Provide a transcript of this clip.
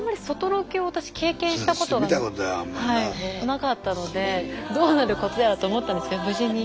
なかったのでどうなることやらと思ったんですけど無事に。